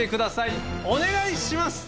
お願いします！